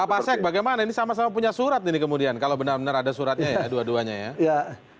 pak pasek bagaimana ini sama sama punya surat ini kemudian kalau benar benar ada suratnya ya dua duanya ya